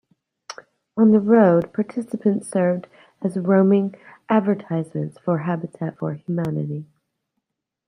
On the road, participants served as roaming advertisements for Habitat for Humanity.